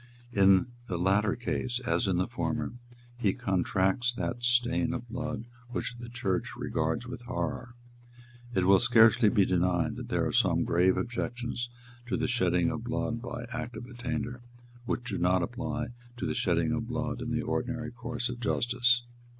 In the latter case, as in the former, he contracts that stain of blood which the Church regards with horror; and it will scarcely be denied that there are some grave objections to the shedding of blood by Act of Attainder which do not apply to the shedding of blood in the ordinary course of justice.